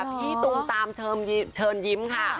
ตูมตามเชิญยิ้มค่ะ